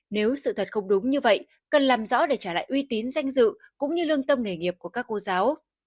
nếu sự thật không đúng như vậy cần làm rõ để trả lại uy tín danh dự cũng như lương tâm nghề nghiệp của các cô giáo